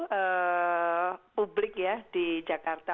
dan juga publik ya di jakarta